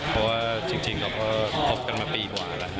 เพราะว่าจริงเราก็คบกันมาปีกว่าแล้ว